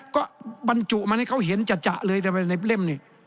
ก็บรรจุมันให้เขาเห็นจัดเลยแต่ในเล่มนี่